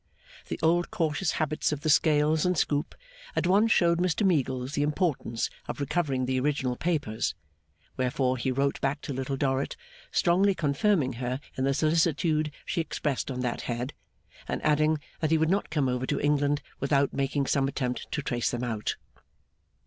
The old cautious habits of the scales and scoop at once showed Mr Meagles the importance of recovering the original papers; wherefore he wrote back to Little Dorrit, strongly confirming her in the solicitude she expressed on that head, and adding that he would not come over to England 'without making some attempt to trace them out.